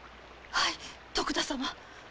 はい徳田様。